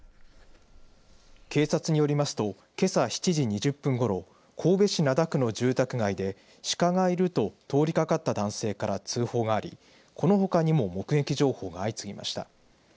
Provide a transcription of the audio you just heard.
警察によりますとけさ７時２０分ごろ神戸市灘区の住宅街でシカがいると通りかかった男性から通報がありこのほかにも目撃情報が相次ぎました。